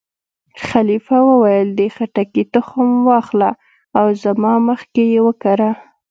خلیفه وویل: د خټکي تخم وا اخله او زما مخکې یې وکره.